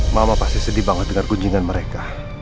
mama pasti sedih banget dengar kunjingan mereka